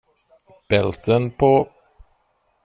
Bälten på.